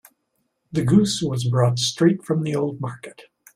The goose was brought straight from the old market.